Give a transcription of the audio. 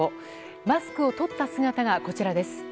マスクを取った姿がこちらです。